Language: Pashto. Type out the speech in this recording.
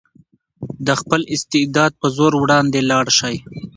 د خپل استعداد په زور وړاندې لاړ شئ.